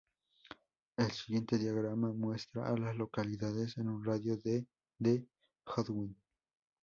El siguiente diagrama muestra a las localidades en un radio de de Godwin.